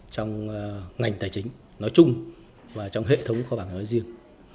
trong ngành tài chính nói chung và trong hệ thống kho bạc nhà nước riêng